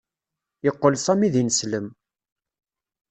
Yeqqel Sami d ineslem.